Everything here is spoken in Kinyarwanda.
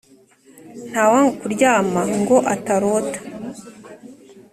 Ntawanga kuryama ngo atarota.